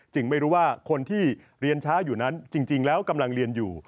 ไม่รู้ว่าคนที่เรียนช้าอยู่นั้นจริงแล้วกำลังเรียนอยู่